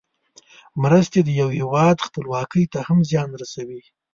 مرستې د یو هېواد خپلواکۍ ته هم زیان رسوي.